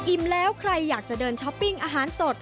แล้วใครอยากจะเดินช้อปปิ้งอาหารสด